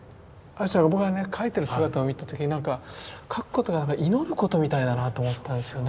描いてる姿を見た時に何か描くことが祈ることみたいだなと思ったんですよね。